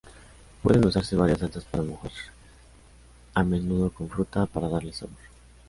Pueden usarse varias salsas para mojar, a menudo con fruta, para darle sabor.